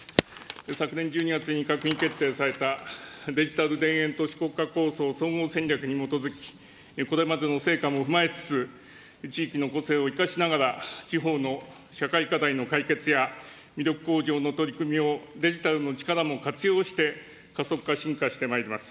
昨年１２月に閣議決定されたデジタル田園都市国家構想総合戦略に基づき、これまでの成果も踏まえつつ、地域の個性を生かしながら、地方の社会課題の解決や、魅力向上の取り組みをデジタルの力も活用して、加速化、深化してまいります。